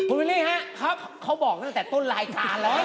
คุณวิทย์นี่ฮะเขาบอกตั้งแต่ต้นรายการเลย